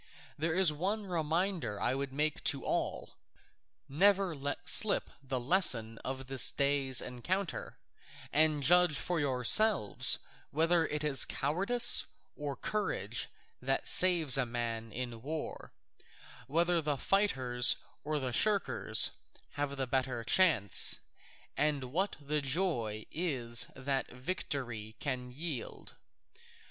There is one reminder I would make to all. Never let slip the lesson of this day's encounter, and judge for yourselves whether it is cowardice or courage that saves a man in war, whether the fighters or the shirkers have the better chance, and what the joy is that victory can yield.